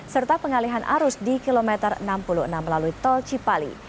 serta pengalihan arus di kilometer enam puluh enam melalui tol cipali